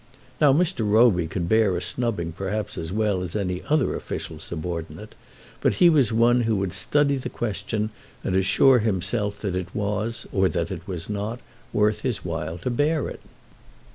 Now Mr. Roby could bear a snubbing perhaps as well as any other official subordinate, but he was one who would study the question and assure himself that it was, or that it was not, worth his while to bear it.